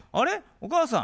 お母さん